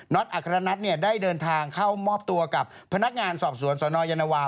อัครนัทได้เดินทางเข้ามอบตัวกับพนักงานสอบสวนสนยานวา